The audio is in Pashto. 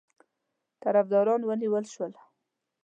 طرفداران ونیول شول.